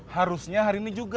harusnya hari ini juga